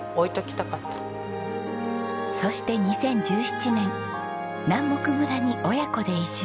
そして２０１７年南牧村に親子で移住。